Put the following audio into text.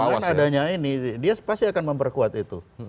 dengan adanya ini dia pasti akan memperkuat itu